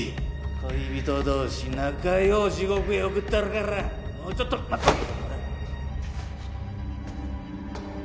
恋人同士仲良う地獄へ送ったるからもうちょっと待っとけ！